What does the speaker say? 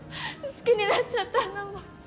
好きになっちゃったんだもん。